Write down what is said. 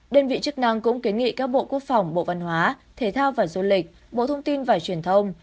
đơn vị chức năng cũng kiến nghị các bộ quốc phòng bộ văn hóa thể thao và du lịch bộ thông tin và truyền thông